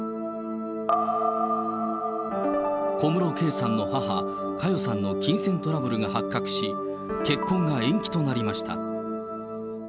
小室圭さんの母、佳代さんの金銭トラブルが発覚し、結婚が延期となりました。